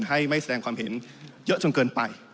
ให้ไม่แสดงความเห็นเยอะจนเกินไป